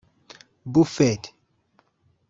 Buffet